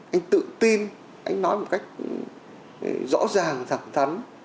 anh tự tin anh nói một cách rõ ràng thẳng thắn